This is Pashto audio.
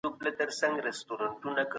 د هیواد وسایل څه ډول پکاریږي؟